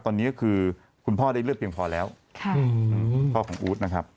ตอนนี้ก็คือคุณพ่อได้เลือดเพียงพอแล้วพ่อของอู๊ดนะครับ